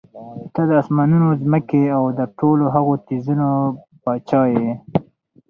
ته د آسمانونو، ځمکي او د ټولو هغو څيزونو باچا ئي